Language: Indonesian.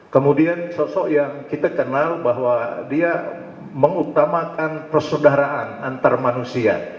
kemudian sosok yang kita kenal bahwa dia mengutamakan persaudaraan antar manusia